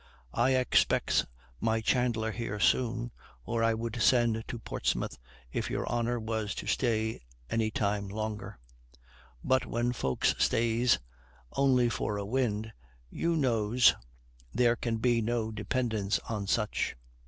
I expects my chandler here soon, or I would send to Portsmouth, if your honor was to stay any time longer. But when folks stays only for a wind, you knows there can be no dependence on such!"